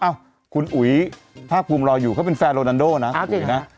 อ้าวคุณอุ๋ยถ้าภูมิรออยู่เขาเป็นแฟนโรนันโดนะอ๋อจริงนะ